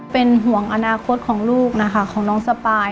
เป็นห่วงอนาคตของลูกนะคะของน้องสปาย